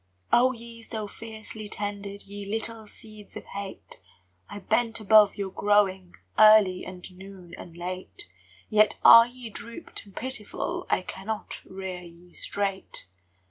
Oh, ye so fiercely tended, Ye little seeds of hate! I bent above your growing Early and noon and late, Yet are ye drooped and pitiful, I cannot rear ye straight!